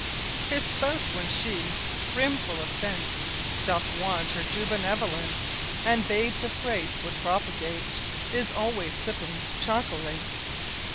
His Spouse when she (Brimfull of Sense) Doth want her due Benevolence, And Babes of Grace would Propagate, Is alwayes Sipping Chocolate.